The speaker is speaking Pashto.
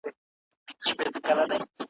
د جاهل په هدیره کي د مکتب خښته ایږدمه ,